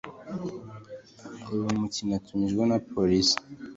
uyu mukinnyi atumijweho na polisi